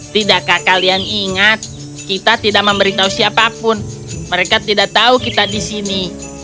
tidakkah kalian ingat kita tidak memberitahu siapapun mereka tidak tahu kita di sini